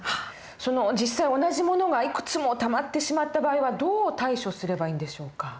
実際同じ物がいくつもたまってしまった場合はどう対処すればいいんでしょうか？